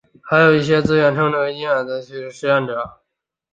还有一些人自愿成为基础医学和生物学实验的受实验者。